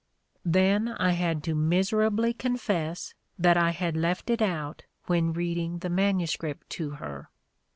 Then I had to miserably confess that I had left it out when reading the MS. to her.